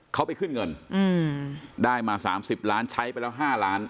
เขาไปขึ้นเงินอืมได้มาสามสิบล้านใช้ไปแล้วห้าล้าน